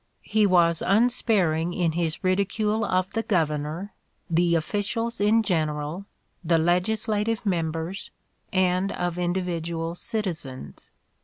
'' He was '' unsparing in his ridicule of the Governor, the officials in general, the legislative members, and of individual citizens."